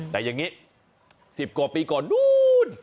แต่อย่างนี้๑๐กว่าปีก่อนนู้น